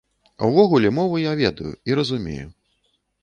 Увогуле, мову я ведаю і разумею.